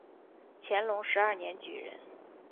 乾隆十二年举人。